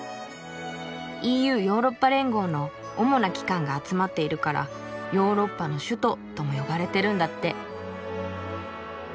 ＥＵヨーロッパ連合の主な機関が集まっているから「ヨーロッパの首都」とも呼ばれてるんだって。